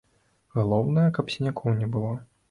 Галоўнае, каб сінякоў не было.